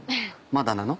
「まだなの？